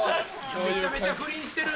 めちゃめちゃ不倫してる！